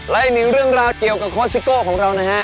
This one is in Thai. และอีกหนึ่งเรื่องราวเกี่ยวกับโค้ซิโก้ของเรานะฮะ